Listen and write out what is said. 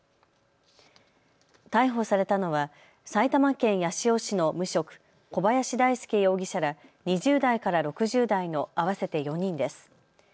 逮捕されたのは埼玉県八潮市の無職、小林大輔容疑者ら２０代から６０代の合わせて４人です。